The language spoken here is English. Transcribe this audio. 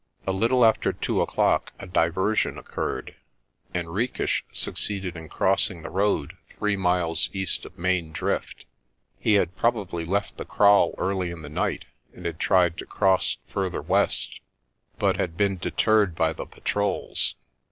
A little after two o'clock a diversion occurred. Henriques succeeded in crossing the road three miles east of Main Drift. He had probably left the kraal early in the night and had tried to cross further west, but had been deterred by the patrols.